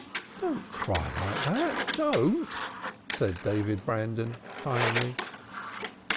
"Don't cry like that! Don't!" said David Brandon kindly.